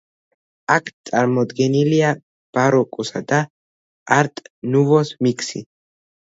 აქ წარმოდგენილია ბაროკოსა და არტ-ნუვოს მიქსი.